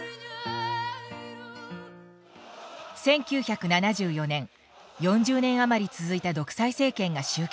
１９７４年４０年あまり続いた独裁政権が終結。